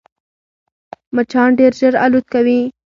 مچان ډېر ژر الوت کوي